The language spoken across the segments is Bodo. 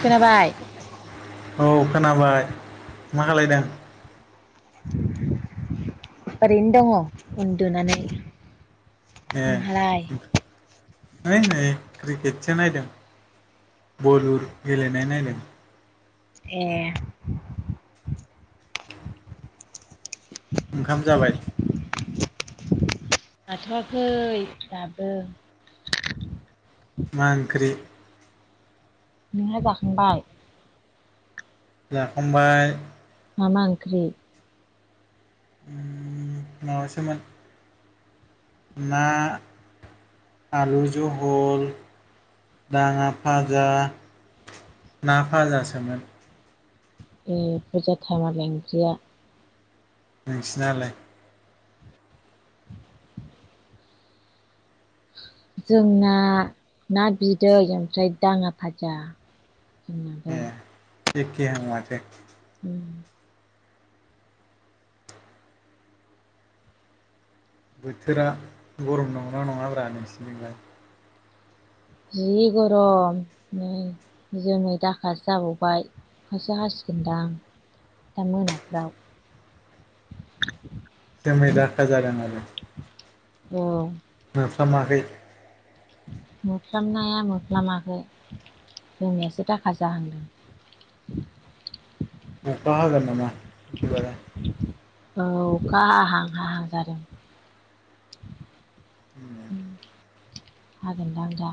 खोनाबाय औ खोनाबाय मा खालायदों ओरैनो दङ उन्दुनानै नोंहालाय होइ नै क्रिकेटसो नायदों बलिउद गेलेनाय नायदों एह ओंखाम जाबाय जाथ'आखै दाबो मा ओंख्रि नोंहा जाखांबाय जाखांबाय मा मा ओंख्रि माबासोमोन ना आलु जहल दाङा फाजा ना फाजासोमोन ए बुजाथार मालाय ओंख्रिया नोंसिनालाय जोंना ना बिदै ओमफ्राय दाङा फाजा जोंनाबो एखे हां माथो उम बोथोरा गरम नंगोना नङाब्रा नोंसिनिजोंलाय जि गरम नै जोमै दाखा जाबावबाय अखासो हासिगोनदां आ दा मोनाफ्राव [inaudible] जोमै दाखा जादों आरो औ मोफ्लामाखै मोफ्लामनाया मुफ्लामाखै जोंमैयासो दाखा जाहांदों अखा हागोन नामा बिदिबालाय औ अखा हाहां हाहां जादों उम हागोन दां दा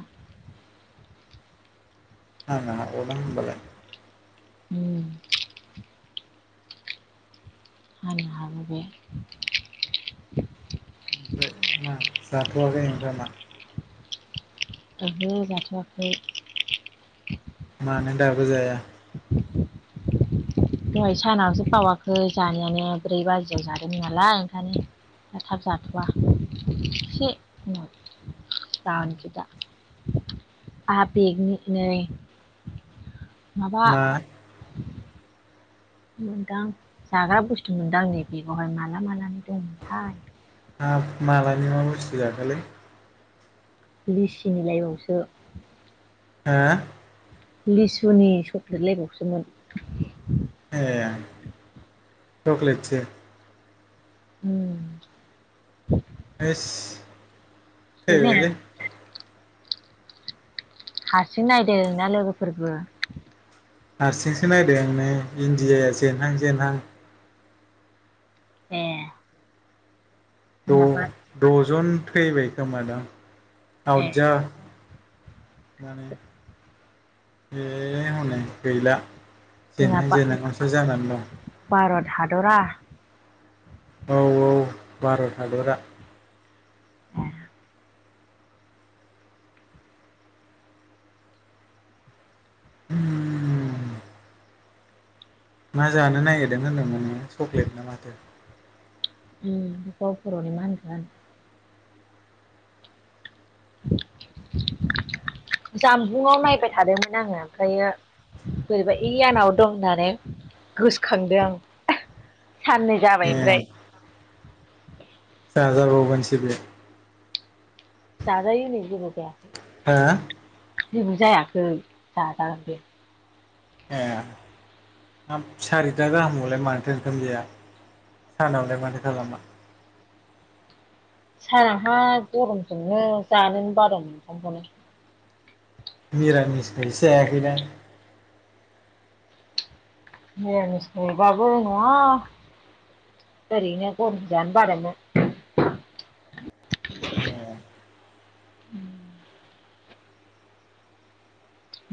आं हाग'ला होमबालाय उम। हानो हाग'बाय ओमफ्राय मा जाथ'वाखै ओमफ्राय मा ओहो जाथ'आखै। मानो दाबो जाया? दहाय सानावसो बावाखै जानायानो ब्रै बाजियाव जादोंमोन नालाय ओंखायनो दा थाब जाथ'वा एसे उनाव जानोखि दा आ बेगनिनो नै माबा मा मोनदां जाग्रा बुस्थु मोनदां आं नै बेगावहाय माला मालानि दंमोनथाय मालानि मा बुस्थु जाखोलै लिसिनि लाइबआवसो हा लिसुनि सक्लेट लायबावसोमोन ए चकलेटसो उम एइस बेनो फैबायलै हारसिं नायदो ना लोगोफोरबो हारसिंसो नायदों आं नै इण्डियाया जेनहां जेनहां एह द'जन थैबाय खोमा दां ए आवटजा माने ए हनै गैला जोंना जेनहां जेननायसो जानानै दं हादरआ औ औ भारत हादरा उम मा जानो नागिरदों होनदोंमोन नोङो चक्लेट ना माथो उम बेखौबा बर'नि मा होनगोन [inaudible] जानबुंआव नायबाय थादोंमोन आङो ओमफ्रायो बोरैबा इयानाव दं होननानै गोसोखांदों आं साननै ए जाबाय ओमफ्राय जाजाबावगोनसै बे जाजायो नै जेबो जाया हो जेबो जायाखै जा जायो ए हा सारिथा गाहामआवलाय मानोथो ओंखाम जाया। सानावलाय माथो खालामा सानावहा गरमजोंनो जानोनो बादों ओंखामखौनो मिरामिसखायसो जायाखैदां द निसयबाबो नङा सरनोजानो बरायनो [inaudible]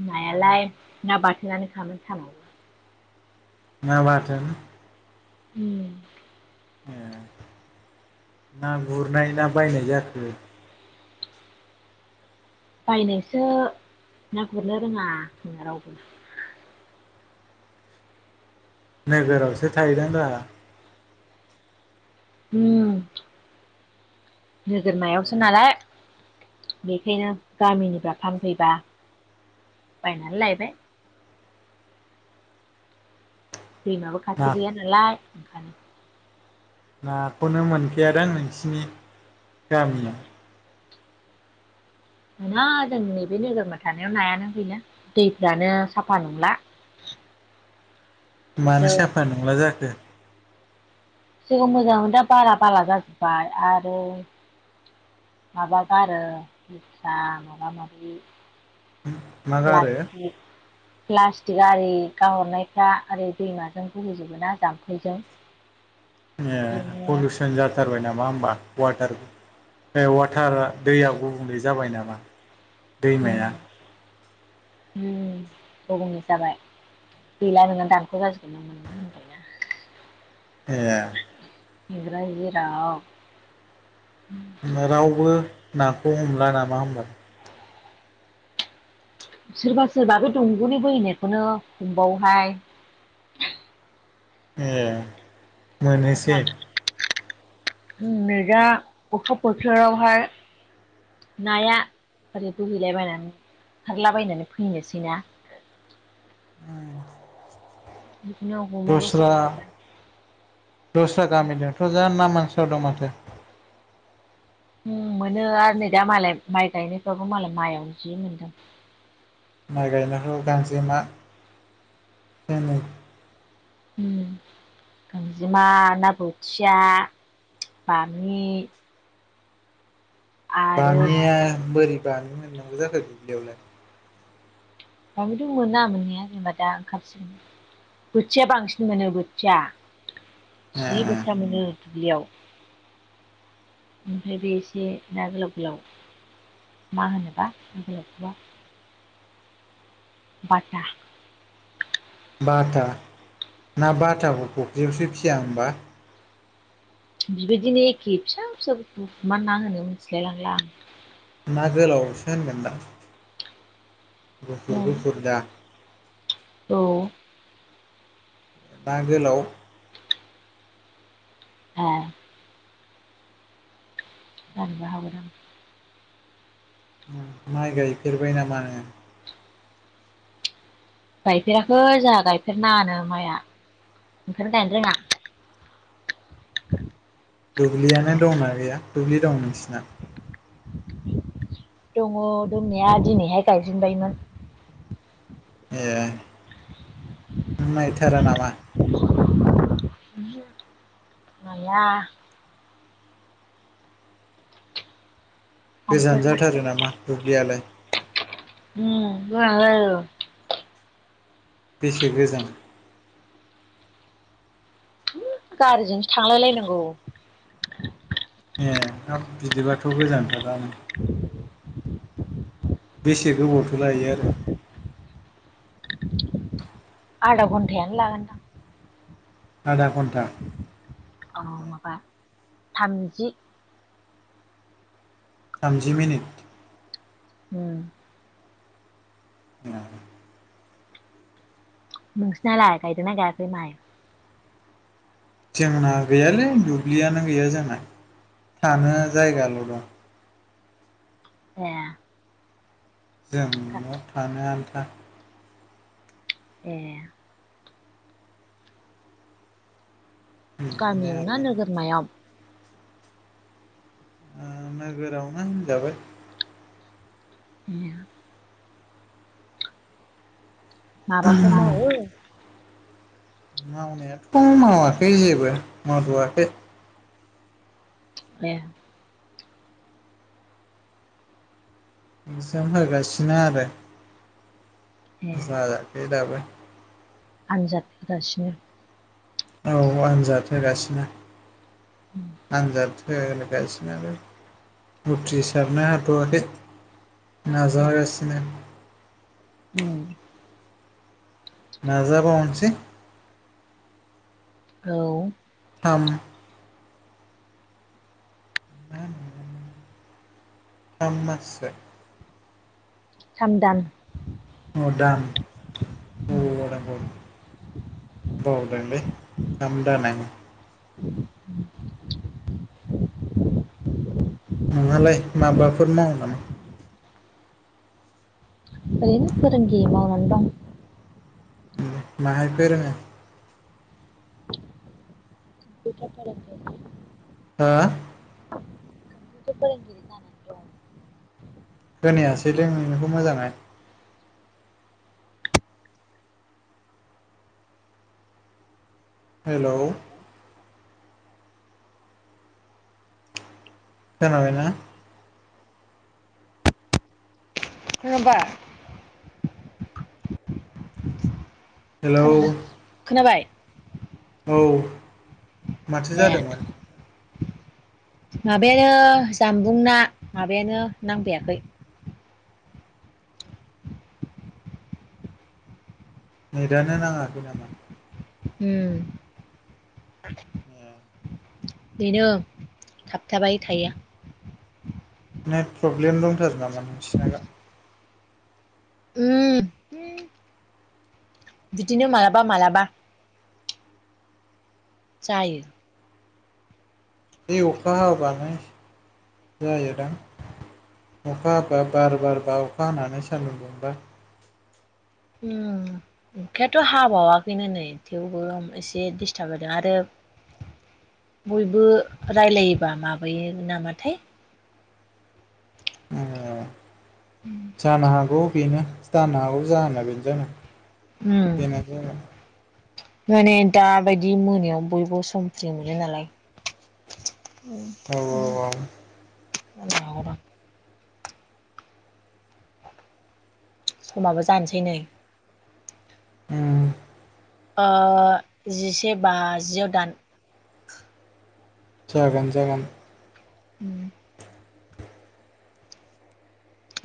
नायालाय ना बाथोनानो खामोन सानाव ना बाथोन उम ए ना गुरनाय ना बायनाय जाखो बायनायसो ना गुरनो रोङा जोंहा रावबो नोगोरावसो थायोदां गावहा उम नोगोरमायावसो नालाय बेखायनो गामिनिफ्रा फानफैबा बायनानै लायबाय दैमाबो ना खाथि गैया नालाय ओंखायनो। नाखौनो मोनखायादां नोंसिनि [inaudible] गामियाव। मोना जोंनि बे नोगोरमा थानायाव नायानो गैला दैफ्रानो साफा नंला। [inaudible] मानो खिन्थु साफा नंला जाखो? सिगांआव मोजांमोन दा बाला बाला जाजोब्बाय आरो माबा गारो लेथ्रा माबा माबि मा गारो ए प्लास्टिक प्लास्टिक आरि गाहरनायफ्रा ओरै दैमाजों बहैजोबो ना जाम्फैजों। ए बेनो पलुसन जाथारबाय नामा होमबा वाटार बे वाथारा दैयाव गुबुंले जाबाय नामा? [unintelligible] दैमाया उम गुबुंले जाबाय। गैला नोंना दानख' जाजोबगोन [unintelligible] ए [unintelligible] होमबा रावबो नाखौ हमला नामा होमबा? सोरबा सोरबा बे दंग'नि बोहैनायखौनो हमबावोहाय ए [inaudible] मोनसै [unintelligible] बोथोरावहाय नाया ओरैबोहैलायबायनानै खारलाबायनानै फैनोसैना [inaudible] बेखौनो हमोबो दस्रा सोरबा सोरबा [inaudible] दस्रा गामिजोंथ' जा ना मोनसावदों माथो द [unintelligible] उम मोनो आरो नै दा मालाय माइ गायनायफ्राबो मालाय माइआवनो जि मोनदों माइ गायनायखौ गांजेमा [inaudible] मोनो। उम गांजेमा ना बोथिया [inaudible] बामि आरो बामिया बोरै बामि मोननांगौ जाखो दुब्लियावलाय बामिथ' मोना मोननायया जेनेबा दा ओंखारसिगोन। बोथिया बांसिन मोनो बोथिया [inaudible] ए जि बोथिया मोनो दुब्लियाव [inaudible] ओमफ्राय बे एसे ना गोलाव गोलाव मा होनोबा [unintelligible] बाटा बाटा [inaudible] ना बाटाखौ फख्रियावसो फिसिया होमबा? बिबायदिनो एखे फिसा फिसा [unintelligible] मा ना होनो मिथिलायलां ला ना गोलावसो होनगोनदां। गुफुर आं गुफुरदा? औ ना गोलाव। ए जानोबो हागौदां। माइ गायफेरबाय नामा नोङो? गायफेराखै जोंहा गायफेरनाङानो माइआ। ओंखायनो गायनो रोङा। [inaudible] दुब्लियानो दंना गैया दुब्लि दं नोंसिना? दङ दंनाया दिनैहाय गायजेनबायमोन। ए [inaudible] नायथारा नामा? ओमहो नाया। गोजान थांफेरनो जाथारो नामा दुब्लियालाय उम गोजान जायो बेसे गोजान गारिजोंसो थांलायलायनांगौ ए हाब बिदिबाथ' गोजानथारानो बेसे गोबावथो लायो आरो आदा घन्थायानो लागोन दां आधा घन्टा औ माबा थामजि थामजि मिनिट उ ओ नोंसिनालाय गायदोंना गायाखै माइ? जोंना गैयालै दुब्लियानो गैया जोंना। थानो जायगाल' दं। ए जों न' थानो आन्था। ए बिदिनो गामियाव ना आरो नोगोर मायाव? नोगोरावनो होनजाबाय। ए माबाफोर मावो? मावनायाथ' मावाखै जेबो मावथ'आखै। ए एकजाम होगासिनो आरो ए जायाखै दाबो। आनजाद होगासिनो औ आनजाद होगासिनो आनजाद होगासिनो आरो उथि् सारनो हाथ'वाखै। नाजागासिनो उ नाजा बावनोसै औ थाम [inaudible] थाम मास सो थामदान अ दान अबाव बावदों बाव बावदोंलै थामदान था नोंहालाय माबाफोर मावो नामा? ओरैनो फोरोंगिरि मावनानै दं। माहाय फोरोंयो? कम्पिउटार फोरोंगिरि हा कम्पिउटार फोरोंगिरि जानानै दं खोनायासैलै नोंनिखौ मोजाङै। हेल' खोनाबायना? खोनाबाय हेलौ खोनादों खोनाबाय। औ माथो ए जादोंमोन? माबायानो जामबुं ना माबायानो नांफैयाखै। नेदानो नाङाखै नामा? हम [inaudible] बेनो थाबथाबाय थायो। नेट प्रब्लेम दंथारो नामा नोंसिना? [unintelligible] बिदिनो मालाबा मालाबा जायो। बे अखा हाबानो जायोदां। अखा हाबा बार बार बा अखा हानानै सान्दुं दुंबा उम। अखायाथ' हाबावाखैनो नै थेवबो एसे दिडिस्टार्ब होदों आरो बयबो रायलायोबा माबायो नामाथाय। औ जानो हागौ बेनो जानो हागौ जाहोना बेनो जागोन। उम बेनो माने दाबायदि मोनायाव बयबो सम फ्रि मोनो नालाय औ औ औ [unintelligible] समाबो जानोसै नै। उम। ओ जिसे बाजिआव दान। जागोन- जागोन। उम।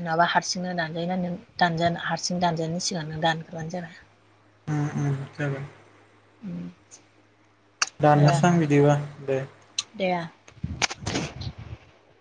नङाबा हारसिंनो दानजायोना नों दानजा हारसिं दानजानायनायनि सिगां नों दानग्रोबानो जाबाय। उम उम जाबाय। उम। दे दाननोसो आं बिदिबा दे। [unintelligible]